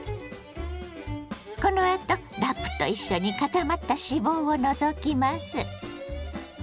このあとラップと一緒に固まった脂肪を除きます。